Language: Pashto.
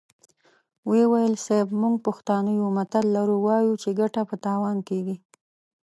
ويې ويل: صيب! موږ پښتانه يو متل لرو، وايو چې ګټه په تاوان کېږي.